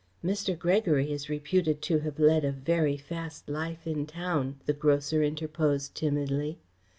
"Mr. Gregory is reputed to have led a very fast life in town," the grocer interposed timidly.